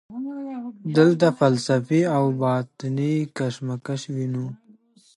دلته فلسفي او باطني کشمکش وینو.